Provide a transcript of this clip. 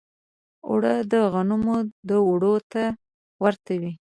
اوړه د غنمو دوړو ته ورته وي